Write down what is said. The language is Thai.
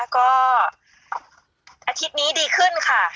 ก็อาทิตย์นี้ดีขึ้นค่ะ